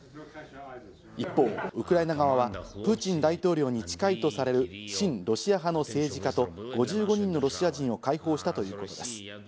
一方、ウクライナ側はプーチン大統領に近いとされる親ロシア派の政治家と５５人のロシア人を解放したということです。